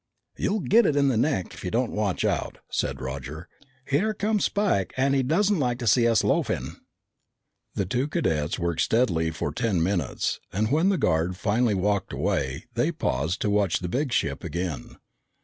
"You'll get it in the neck if you don't watch out," said Roger. "Here comes Spike and he doesn't like to see us loafing!" The two cadets worked steadily for ten minutes, and when the guard finally walked away, they paused to watch the big ship again.